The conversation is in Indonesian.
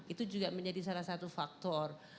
itu juga menjadi salah satu faktor